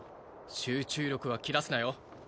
集中力は切らすなよ